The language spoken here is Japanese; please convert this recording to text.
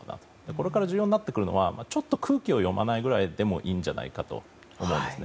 これから重要になってくるのはちょっと空気を読まないぐらいでもいいんじゃないかと思うんです。